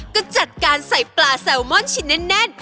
ก็จัดการใส่ปลาแซลมอนชิ้นแน่น